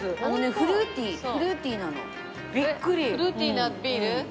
フルーティーなビール？